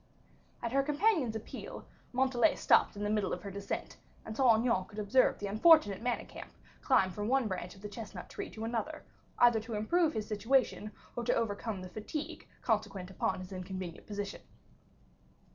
At her companion's appeal, Montalais stopped in the middle of her descent, and Saint Aignan could observe the unfortunate Manicamp climb from one branch of the chestnut tree to another, either to improve his situation or to overcome the fatigue consequent upon his inconvenient position.